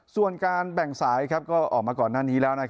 ส่วนการแบ่งสายก็ออกมาก่อนหน้านี้แล้ว